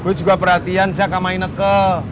gue juga perhatian cak sama ineke